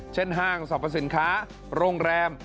ห้างสรรพสินค้าโรงแรม